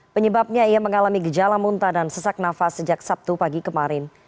penyebabnya ia mengalami gejala muntah dan sesak nafas sejak sabtu pagi kemarin